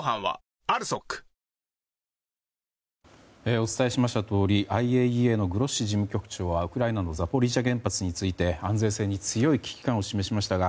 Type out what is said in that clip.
お伝えしましたとおりＩＡＥＡのグロッシ事務局長はウクライナのザポリージャ原発について安全性に強い危機感を示しましたが